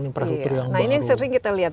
infrastruktur yang baru nah ini sering kita lihat